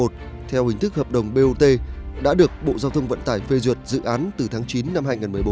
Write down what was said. theo hình thức hợp đồng bot đã được bộ giao thông vận tải phê duyệt dự án từ tháng chín năm hai nghìn một mươi bốn